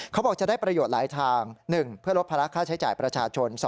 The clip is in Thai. เขาบอกจะได้ประโยชน์หลายทาง๑เพื่อลดภาระค่าใช้จ่ายประชาชน